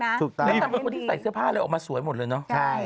แล้วนางเป็นคนที่ใส่เสื้อผ้าอะไรออกมาสวยหมดเลยเนอะ